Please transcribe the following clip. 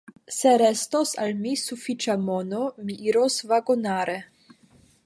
Se restos al mi sufiĉa mono, mi iros vagonare.